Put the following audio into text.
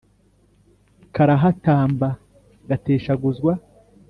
karahatamba gateshaguzwa,